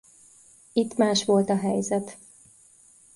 Itt más volt a helyzet.